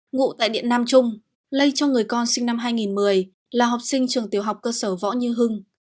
ngụ tại điện nam trung lây cho người con sinh năm hai nghìn một mươi là học sinh trường tiểu học cơ sở võ như hưng